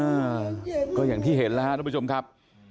อ่าก็อย่างที่เห็นแล้วครับทุกผู้ชมครับ